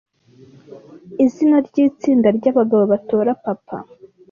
Izina ryitsinda ryabagabo batora Papa